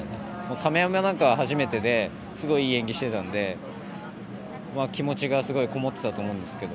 亀山なんかは初めてですごい、いい演技をしてたので気持ちがすごいこもってたと思うんですけど。